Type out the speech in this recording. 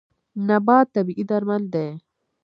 نبات طبیعي درمل دی.